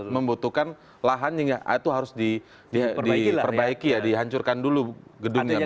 membutuhkan lahan yang harus di perbaiki ya dihancurkan dulu gedungnya begitu